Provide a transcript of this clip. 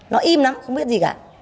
nó im lắm không biết gì cả